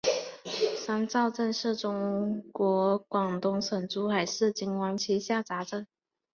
三灶镇是中国广东省珠海市金湾区下辖镇。